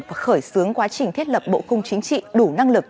và khởi xướng quá trình thiết lập bộ cung chính trị đủ năng lực